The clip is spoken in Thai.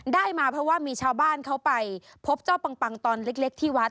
ได้มาเพราะว่ามีชาวบ้านเขาไปพบเจ้าปังตอนเล็กที่วัด